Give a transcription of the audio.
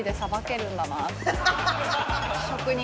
職人。